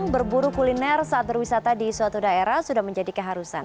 berburu kuliner saat berwisata di suatu daerah sudah menjadi keharusan